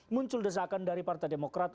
muncul desakan dari partai demokrat